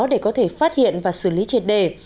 để có thể phát hiện và xử lý triệt đề